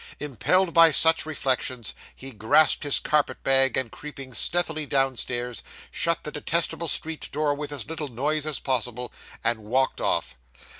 Impelled by such reflections, he grasped his carpet bag, and creeping stealthily downstairs, shut the detestable street door with as little noise as possible, and walked off.